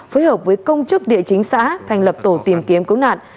phối hợp với công chức địa chính xã thành lập tổ tìm kiếm cứu nạn